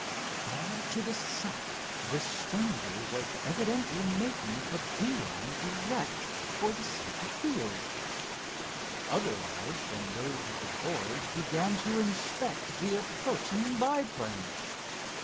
Far to the south the stranger was evidently making a bee line direct for the center field. Other eyes than those of the boys began to inspect the approaching biplane.